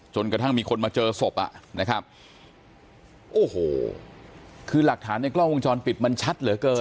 กระทั่งมีคนมาเจอศพอ่ะนะครับโอ้โหคือหลักฐานในกล้องวงจรปิดมันชัดเหลือเกิน